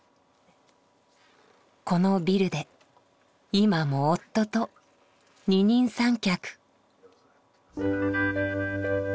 このビルで今も夫と二人三脚。